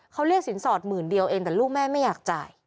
เขาเรียกสินสอดหมื่นเดียวเองแต่ลูกแม่ไม่อยากจ่าย